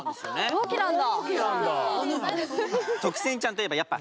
同期なんだ。